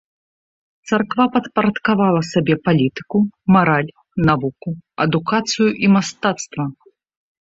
Царква падпарадкавала сабе палітыку, мараль, навуку, адукацыю і мастацтва.